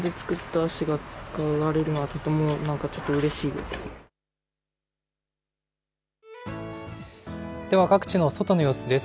では各地の外の様子です。